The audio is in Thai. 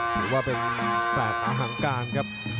ถือว่าเป็นแสกหาหังการครับ